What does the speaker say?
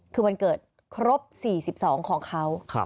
คือวันเกิดครบ๔๒ของเขา